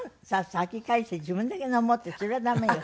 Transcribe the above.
先帰して自分だけ飲もうってそれはダメよ。